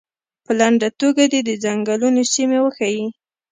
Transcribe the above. په لنډه توګه دې د څنګلونو سیمې وښیي.